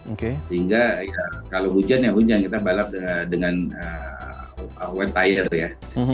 sehingga kalau hujan ya hujan kita balap dengan webtire ya